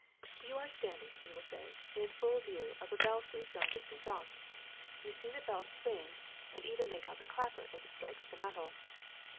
You are standing, we will say, in full view of a belfry some distance off. You see the bell swing and Sn THE SECRET OF EVERYDAY THINGS even make out the clapper as it strikes the metal.